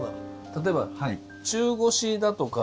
例えば中腰だとか。